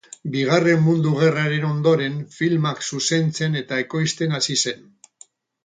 Bigarren Mundu Gerraren ondoren filmak zuzentzen eta ekoizten hasi zen.